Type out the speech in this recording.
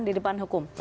di depan hukum